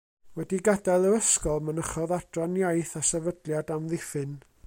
Wedi gadael yr ysgol mynychodd Adran Iaith a Sefydliad Amddiffyn.